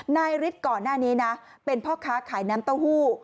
ฤทธิ์ก่อนหน้านี้นะเป็นพ่อค้าขายน้ำเต้าหู้